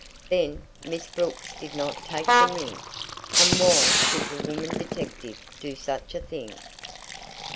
Then, Miss Brooks did not take the ring? And why should the woman detective do such a thing?